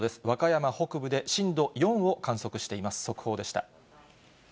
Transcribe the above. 和歌山北部で震度４を観測しています。